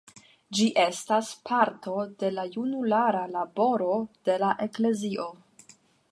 Ĝi estas parto de la junulara laboro de la eklezio.